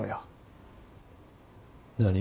何？